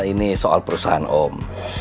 ini soal perusahaan om